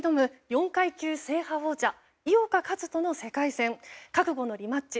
４階級制覇王者井岡一翔の世界戦覚悟のリマッチ